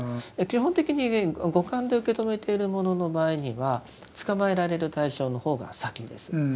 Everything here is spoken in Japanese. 基本的に五感で受け止めているものの場合にはつかまえられる対象の方が先です。